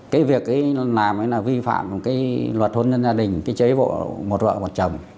cái việc ấy làm ấy là vi phạm cái luật hôn nhân gia đình cái chế độ một vợ một chồng